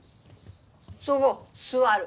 そご座る。